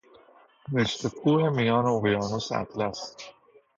رشته کوه میان اقیانوس اطلس